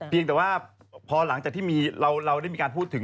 เพียงแต่ว่าพอหลังจากที่มีเราได้มีการพูดถึง